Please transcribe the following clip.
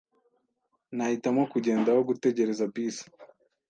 Nahitamo kugenda aho gutegereza bisi.